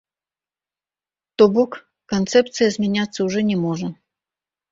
То бок, канцэпцыя змяняцца ўжо не можа.